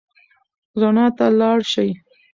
رڼا ته لاړ شئ.